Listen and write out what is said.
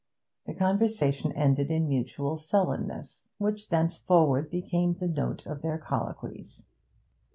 The conversation ended in mutual sullenness, which thenceforward became the note of their colloquies.